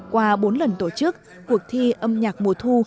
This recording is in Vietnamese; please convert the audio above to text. qua bốn lần tổ chức cuộc thi âm nhạc mùa thu